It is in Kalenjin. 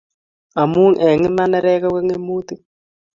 amu eng iman nerekek ko ngemutik.